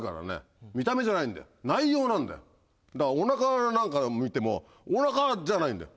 だからお腹や何か見てもお腹じゃないんだよ。